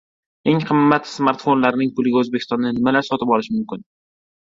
Eng qimmat smartfonlarning puliga O‘zbekistonda nimalar sotib olish mumkin?